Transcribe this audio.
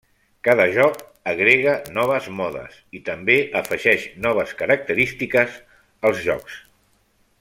Cada joc agrega noves modes, i també afegeix noves característiques als jocs.